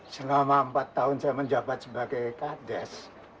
selama empat tahun saya menjabat sebagai kades